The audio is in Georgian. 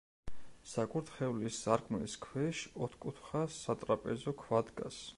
საკურთხევლის სარკმლის ქვეშ ოთხკუთხა სატრაპეზო ქვა დგას.